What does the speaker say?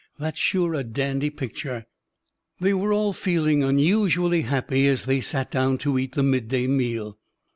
That's sure a dandy picture." They were all feeling unusually happy as they sat down to eat the midday meal.